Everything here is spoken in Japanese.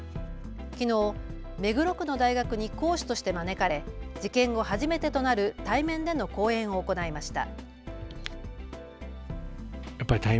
きのう目黒区の大学に講師として招かれ事件後初めてとなる対面での講演を行いました。